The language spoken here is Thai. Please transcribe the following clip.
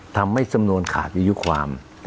ทำให้สำนวนขาดอายุความ